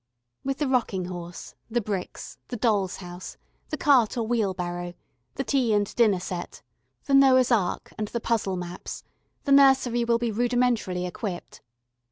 With the rocking horse, the bricks, the doll's house, the cart or wheel barrow, the tea and dinner set, the Noah's Ark and the puzzle maps, the nursery will be rudimentarily equipped.